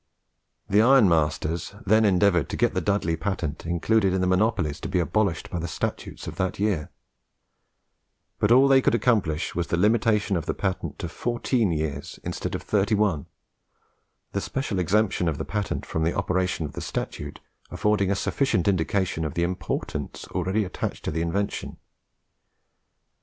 The ironmasters then endeavoured to get the Dudley patent included in the monopolies to be abolished by the statute of that year; but all they could accomplish was the limitation of the patent to fourteen years instead of thirty one; the special exemption of the patent from the operation of the statute affording a sufficient indication of the importance already attached to the invention.